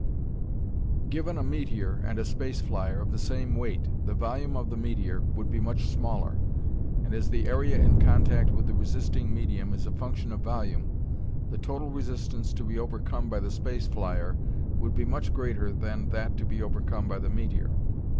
Given a meteor and a space flyer of the same weight, the volume of the meteor would be much smaller, and as the area in contact with the resisting medium is a function of volume, the total resistance to be overcome by the space flyer would be much greater than that to be overcome by the meteor.